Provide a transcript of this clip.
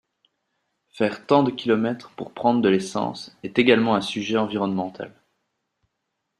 Faire tant de kilomètres pour prendre de l’essence est également un sujet environnemental.